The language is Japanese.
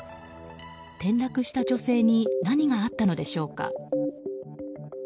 転落した女性に何があったのでしょうか。